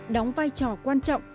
đóng vai trò quan trọng